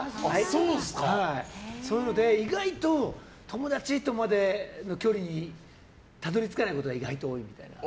そういうので意外と友達とまでの距離にたどり着かないことが意外と多いみたいな。